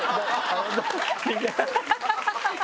ハハハハ！